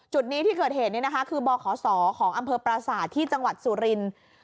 จุดนี้ที่เกิดเหตุคือบขศของอำเภอปราศาสตร์ที่จังหวัดสุรินทร์